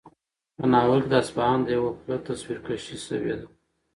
په ناول کې د اصفهان د یوه پله تصویرکشي شوې ده.